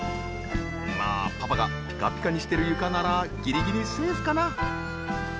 まあパパがピカピカにしてる床ならギリギリセーフかな？